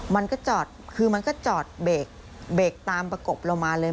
มันก็จอดเขาจอดเบรกตามประกบเรามาเลย